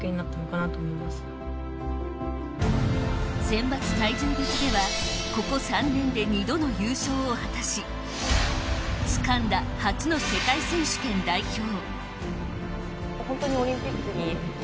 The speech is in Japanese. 選抜体重別ではここ３年で２度の優勝を果たしつかんだ初の世界選手権代表。